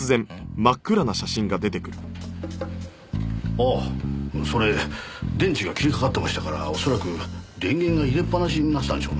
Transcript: ああそれ電池が切れかかってましたからおそらく電源が入れっぱなしになってたんでしょうな。